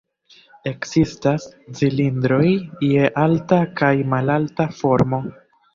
Ekzistas cilindroj je alta kaj malalta formo.